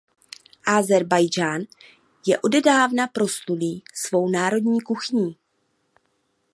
Ázerbájdžán je odedávna proslulý svou národní kuchyní.